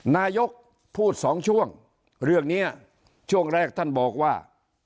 นายกพูดสองช่วงเรื่องนี้ช่วงแรกท่านบอกว่า